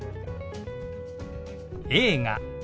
「映画」。